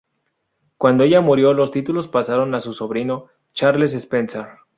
Cuando ella murió los títulos pasaron a su sobrino Charles Spencer.